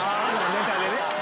ネタでね。